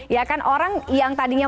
ya kan orang yang tadinya